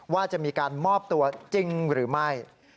ว่าจะมีการมอบตัวจริงหรือไม่